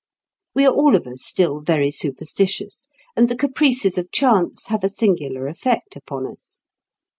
We are all of us still very superstitious, and the caprices of chance have a singular effect upon us.